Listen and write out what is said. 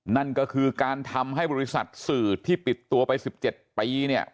นั่นก็คือการทำให้บริษัทสื่อที่ปิดตัวไป๑๗ปีเนี่ย